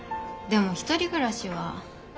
でも１人暮らしは。